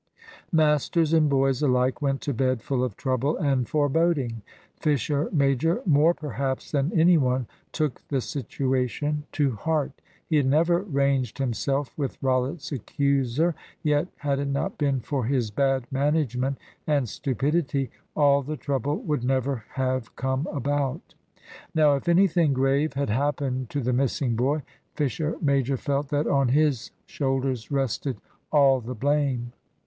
Masters and boys alike went to bed full of trouble and foreboding. Fisher major, more perhaps than any one, took the situation to heart. He had never ranged himself with Rollitt's accuser; yet, had it not been for his bad management and stupidity, all the trouble would never have come about. Now, if anything grave had happened to the missing boy, Fisher major felt that on his shoulders rested all the blame.